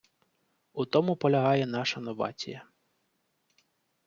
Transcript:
У тому полягає наша новація.